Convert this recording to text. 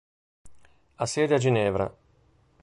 Ha sede a Ginevra.